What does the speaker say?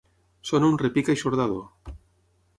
Sona un repic eixordador.